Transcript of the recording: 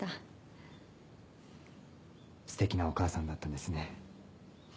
素敵なお母さんだったんですね。